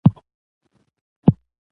نحوي ته په انګلېسي کښي Syntax وایي.